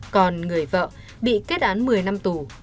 còn người vợ bị kết án một mươi năm tù